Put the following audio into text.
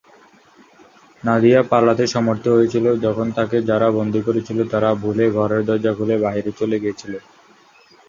নাদিয়া পালাতে সমর্থ হয়েছিল যখন তাকে যারা বন্দী করেছিল তারা ভুলে ঘরের দরজা খুলে বাহিরে চলে গিয়েছিল।